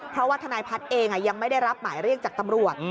เพราะว่าทนายพัฒน์เองยังไม่ได้รับหมายเรียกจากตำรวจ